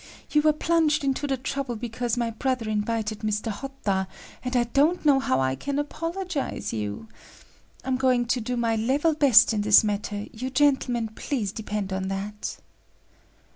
You were plunged into the trouble because my brother invited Mr. Hotta, and I don't know how I can apologize you. I'm going to do my level best in this matter; you gentlemen please depend on that."